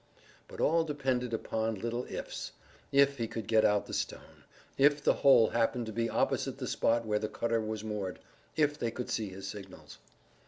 But all depended upon little ifs if he could get out the stone, if the hole happened to be opposite the spot where the cutter was moored, if they could see his signals.